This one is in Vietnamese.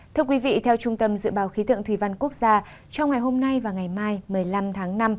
thưa quý vị theo trung tâm dự báo khí tượng thủy văn quốc gia trong ngày hôm nay và ngày mai một mươi năm tháng năm